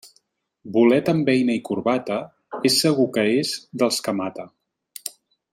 Bolet amb beina i corbata, és segur que és dels que mata.